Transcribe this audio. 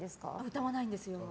歌わないんですよ。